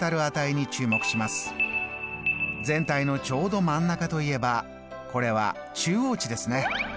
全体のちょうど真ん中といえばこれは中央値ですね。